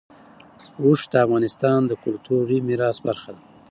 اوښ د افغانستان د کلتوري میراث برخه ده.